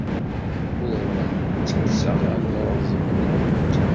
Ur awent-ttekkseɣ anurẓem-nwent.